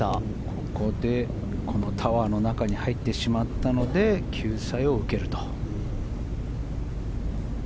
ここで、このタワーの中に入ってしまったので救済を受けると。